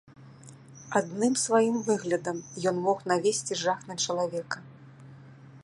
Адным сваім выглядам ён мог навесці жах на чалавека.